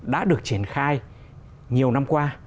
đã được triển khai nhiều năm qua